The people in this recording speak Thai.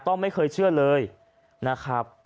ไม่เคยเชื่อเลยนะครับ